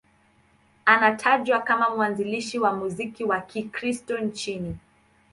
Anatajwa kama mwanzilishi wa muziki wa Kikristo nchini.